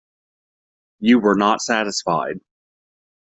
You were not satisfied.